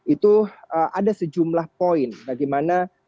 itu ada sejumlah poin bagaimana